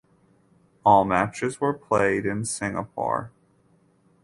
All matches were played in Singapore.